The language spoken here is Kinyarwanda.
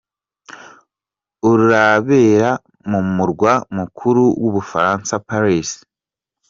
Urabera mu murwa mukuru w’Ubufaransa, Paris.